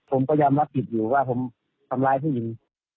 ผมก็ยอมรับผิดอยู่ว่าผมทำร้ายผู้หญิง